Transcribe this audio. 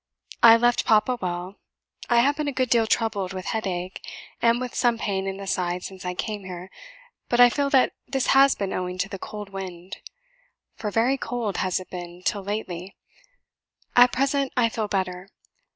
I left papa well. I have been a good deal troubled with headache, and with some pain in the side since I came here, but I feel that this has been owing to the cold wind, for very cold has it been till lately; at present I feel better.